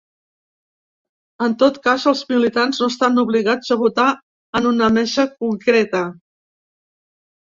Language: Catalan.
En tot cas, els militants no estan obligats a votar en una mesa concreta.